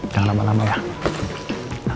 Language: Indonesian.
jangan lama lama ya